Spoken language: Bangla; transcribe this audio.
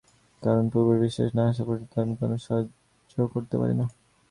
কারণ পুরোপুরি বিশ্বাস না-আসা পর্যন্ত আমি কোনো সাহায্য করতে পারি না।